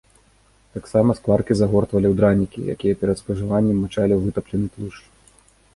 Таксама скваркі загортвалі ў дранікі, якія перад спажываннем мачалі ў вытаплены тлушч.